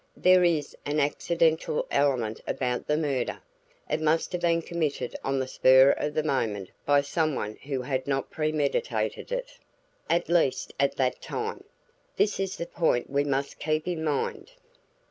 There is an accidental element about the murder. It must have been committed on the spur of the moment by someone who had not premeditated it at least at that time. This is the point we must keep in mind."